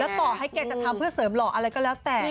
ต่อให้แกจะทำเพื่อเสริมหล่ออะไรก็แล้วแต่